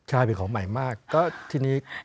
ใช่เป็นของใหม่มากก็ทีนี้